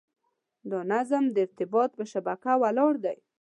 دا نظم د ارتباط په شبکه ولاړ دی.